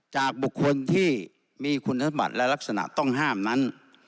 จากบุคคลที่มีคุณสมบัติและลักษณะต้องห้ามนั้น